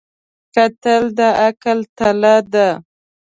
کتل د عقل تله ده